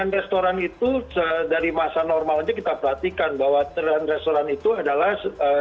restoran itu dari masa normal aja kita perhatikan bahwa restoran itu adalah